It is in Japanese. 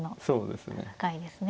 そうですね。